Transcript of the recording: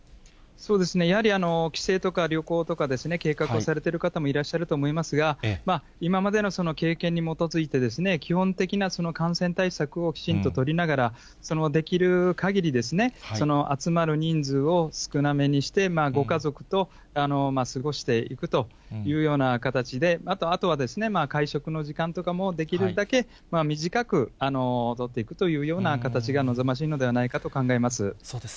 やはり、帰省とか旅行とか、計画をされている方もいらっしゃると思いますが、今までの経験に基づいて、基本的な感染対策をきちんと取りながら、そのできるかぎり、集まる人数を少なめにして、ご家族と過ごしていくというような形で、あとは会食の時間とかもできるだけ短く取っていくというような形が望ましいのではないかと考えます。